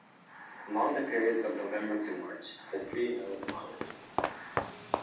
Among the periods of November to March, the tree nettle flowers.